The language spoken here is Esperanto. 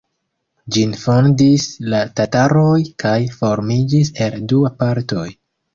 Ĝin fondis la tataroj kaj formiĝis el dua partoj.